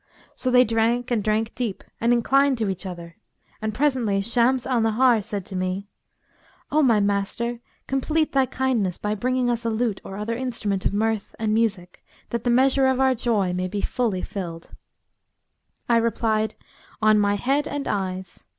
So they drank and drank deep and inclined to each other; and presently Shams al Nahar said to me, 'O my master, complete thy kindness by bringing us a lute or other instrument of mirth and music that the measure of our joy may be fully filled.' I replied, 'On my head and eyes!'